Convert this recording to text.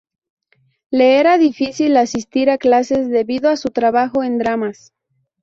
Le era difícil asistir a clases debido a su trabajo en dramas.